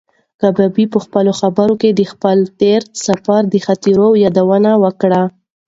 کبابي په خپلو خبرو کې د خپل تېر سفر د خاطرو یادونه وکړه.